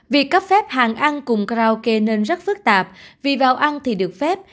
việc cấp phép hàng ăn cùng karaoke nên rất phức tạp vì vào ăn thì được phép